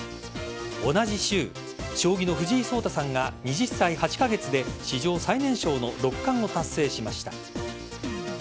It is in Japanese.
同じ週将棋の藤井聡太さんが２０歳８カ月で史上最年少の六冠を達成しました。